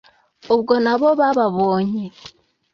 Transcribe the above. ubwo na bo bababonye